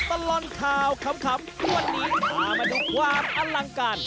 ตลอดข่าวขำวันนี้พามาดูความอลังการ